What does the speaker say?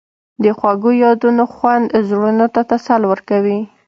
د خوږو یادونو خوند زړونو ته تسل ورکوي.